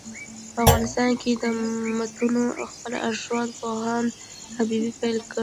په افغانستان کي دمتونو څېړل ارواښاد پوهاند حبیبي پيل کړ.